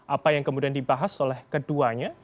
apa yang kemudian dibahas oleh keduanya